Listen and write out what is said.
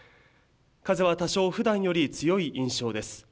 風は多少ふだんより強い印象です。